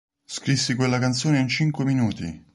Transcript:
Scrissi quella canzone in cinque minuti!